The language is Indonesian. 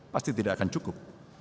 pasti tidak akan cukup